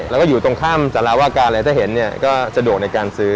แล้วก็อยู่ตรงข้ามสารวาการอะไรถ้าเห็นเนี่ยก็สะดวกในการซื้อ